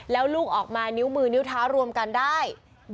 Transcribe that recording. แล้วลูกออกมานิ้วมือนิ้วเท้ารวมกันได้